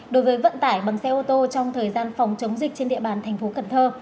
đối với vận tải bằng xe ô tô trong thời gian phòng chống dịch trên địa bàn tp cn